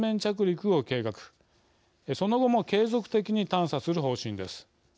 その後も継続的に探査する方針です。